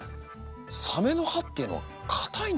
サメの歯っていうのは硬いんだなこれ。